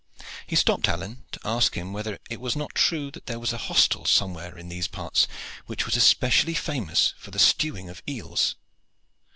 He stopped Alleyne to ask him whether it was not true that there was a hostel somewhere in those parts which was especially famous for the stewing of eels.